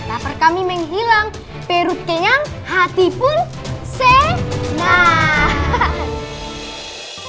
dapur kami menghilang perut kenyang hati pun senang